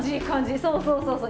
そうそうそうそう